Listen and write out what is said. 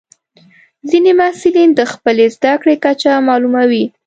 ځینې محصلین د خپلې زده کړې کچه معلوموي.